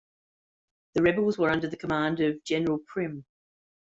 The rebels were under the command of General Primm.